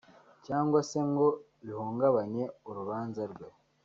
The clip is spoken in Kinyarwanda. cyangwa se ngo bihungabanye urubanza rwe